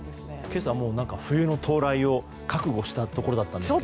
今朝、冬の到来を覚悟したところだったんですが。